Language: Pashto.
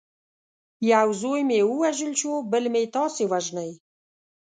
یو زوی مې ووژل شو بل مې تاسي وژنئ.